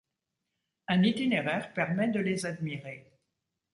Un itinéraire permet de les admirer.